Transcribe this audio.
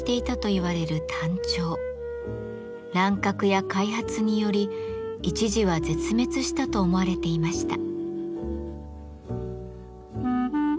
乱獲や開発により一時は絶滅したと思われていました。